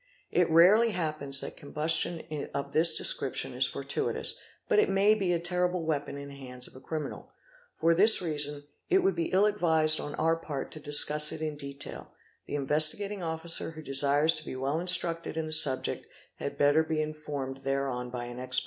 It rarely happens that combustion _ of this description is fortuitous, but it may be a terrible weapon in the — hands of a criminal. For this reason it would be ill advised on our part | to discuss it in detail; the Investigating Officer who desires to be well — instructed in the subject had better be informed thereon by an expert.